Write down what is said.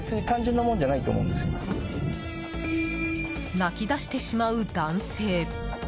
泣き出してしまう男性。